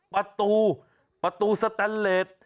ประตูประตูสตะเล็ด